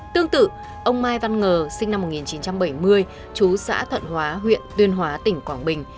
tương tự ông mai văn ngờ sinh năm một nghìn chín trăm bảy mươi chú xã thuận hóa huyện tuyên hóa tỉnh quảng bình